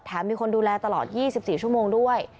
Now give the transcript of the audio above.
มีคนดูแลตลอด๒๔ชั่วโมงด้วย